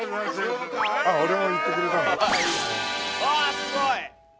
すごい！